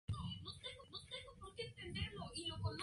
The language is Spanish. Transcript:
Carmen está casada.